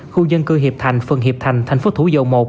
khu dân cư hiệp thành phần hiệp thành tp thủ dầu một